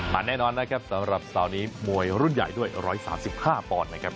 มันแน่นอนนะครับสำหรับสาวนี้มวยรุ่นใหญ่ด้วย๑๓๕ปอนด์นะครับ